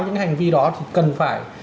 những hành vi đó thì cần phải